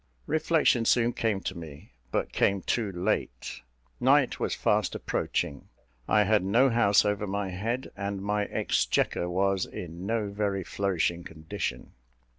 Reflection soon came to me, but came too late. Night was fast approaching: I had no house over my head, and my exchequer was in no very flourishing condition.